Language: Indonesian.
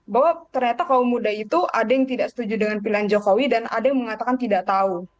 bahwa ternyata kaum muda itu ada yang tidak setuju dengan pilihan jokowi dan ada yang mengatakan tidak tahu